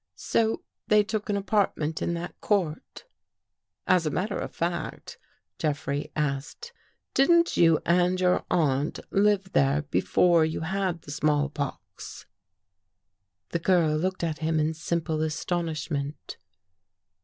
So they took an apartment in that court." " As a matter of fact," Jeffrey asked, " didn't you and your aunt live there before you had the small pox? " The girl looked at him in simple astonishment.